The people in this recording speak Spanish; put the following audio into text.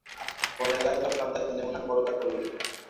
Con la edad las plantas tienen una corta columna.